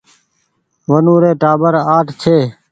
ونو ري ٽآٻر اٺ ڇي